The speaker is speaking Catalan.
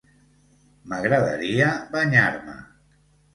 M'agradaria banyar-me.